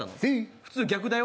普通、逆だよ。